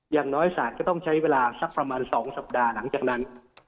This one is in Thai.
อย่างน้อยศาลก็ต้องใช้เวลาสักประมาณ๒สัปดาห์หลังจากนั้น